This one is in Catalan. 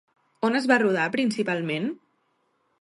On es va rodar principalment?